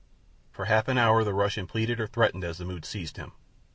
For half an hour the Russian pleaded or threatened as the mood seized him.